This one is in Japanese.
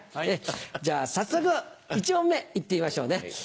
じゃあ早速１問目行ってみましょうね。